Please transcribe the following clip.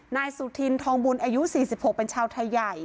นายสุธินทองบุญอายุ๔๖เป็นชาวไทยใหญ่